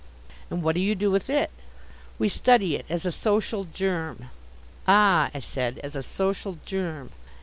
"And what do you do with it?" "We study it as a Social Germ." "Ah," I said, "as a Social Germ."